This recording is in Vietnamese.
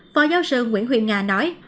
phó giáo sư nguyễn huyện nga nói